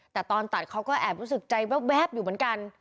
แต่ตอนตัดเขาก็แอบรู้สึกใจแว๊บอยู่เหมือนกัน